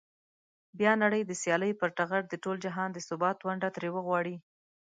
بیا نړۍ د سیالۍ پر ټغر د ټول جهان د ثبات ونډه ترې وغواړي.